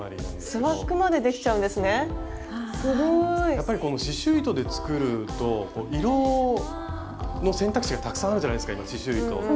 やっぱりこの刺しゅう糸で作ると色の選択肢がたくさんあるじゃないですか刺しゅう糸って。